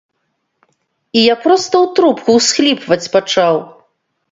І я проста ў трубку ўсхліпваць пачаў.